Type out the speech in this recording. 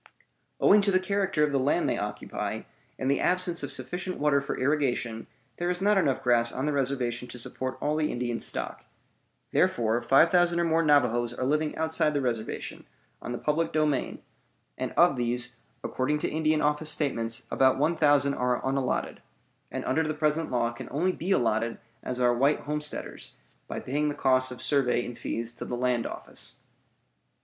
Owing to the character of the land they occupy, and the absence of sufficient water for irrigation, there is not enough grass on the reservation to support all the Indian stock. Therefore 5,000 or more Navajoes are living outside the reservation, on the public domain; and of these, according to Indian Office statements, about 1,000 are unallotted, and under the present law can only be allotted as are white homesteaders, by paying the costs of survey and fees to the land office.